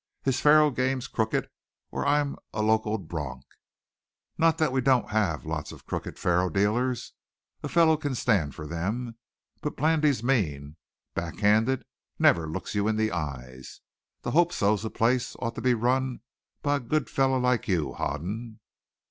His faro game's crooked, or I'm locoed bronc. Not that we don't have lots of crooked faro dealers. A fellow can stand for them. But Blandy's mean, back handed, never looks you in the eyes. That Hope So place ought to be run by a good fellow like you, Hoden."